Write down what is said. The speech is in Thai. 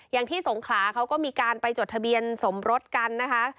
อย่างที่สงขลาเขาก็มีการไปจดทะเบียนสมรสกันนะคะ